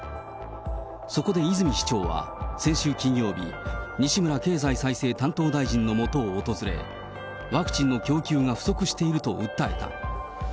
そこで泉市長は、先週金曜日、西村経済再生担当大臣のもとを訪れ、ワクチンの供給が不足していると訴えた。